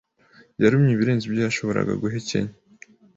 Yarumye ibirenze ibyo yashoboraga guhekenya.